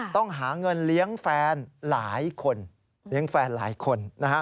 ต้องหาเงินเลี้ยงแฟนหลายคน